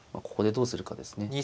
ここでどうするかですね。